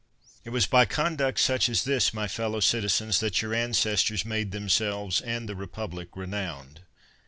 It was by conduct such as this, my fellow citi zens, that your ancestors made themselves and the republic renowned.